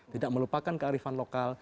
tidak melupakan kearifan lokal